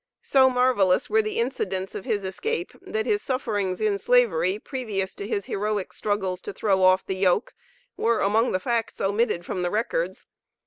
So marvellous were the incidents of his escape, that his sufferings in Slavery, previous to his heroic struggles to throw off the yoke, were among the facts omitted from the records.